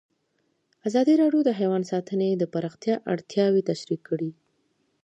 ازادي راډیو د حیوان ساتنه د پراختیا اړتیاوې تشریح کړي.